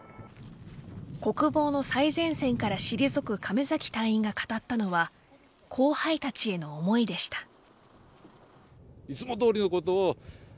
国防の最前線から退く亀崎隊員が語ったのは後輩たちへの思いでした。